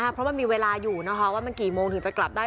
เพราะมันมีเวลาอยู่นะคะว่ามันกี่โมงถึงจะกลับได้